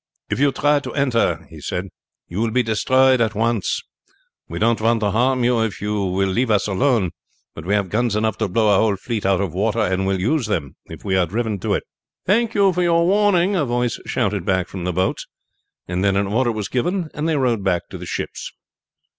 "If you try to enter," he said, "you will be destroyed at once. We don't want to harm you if you will leave us alone; but we have guns enough to blow a whole fleet out of water, and will use them if we are driven to it." "Thank you for your warning," a voice shouted back from the boats, and then an order was given, and they rowed back to the ships.